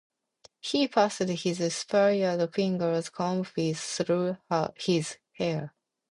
he passed his spread fingers comb-wise through his hair